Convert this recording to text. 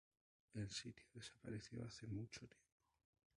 El sitio desapareció hace mucho tiempo.